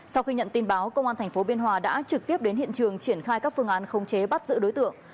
sau khi nhận tin báo công an tp biên hòa đã trực tiếp đến hiện trường triển khai các phương án khống chế bắt giữ đối tượng